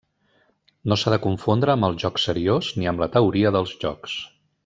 No s'ha de confondre amb el joc seriós ni amb la teoria dels jocs.